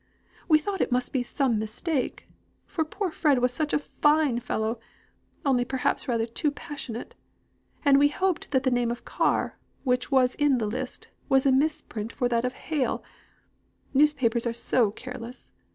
We thought it must be some mistake; for poor Fred was such a fine fellow, only perhaps rather too passionate; and we hoped that the name of Carr, which was in the list, was a misprint for that of Hale newspapers are so careless.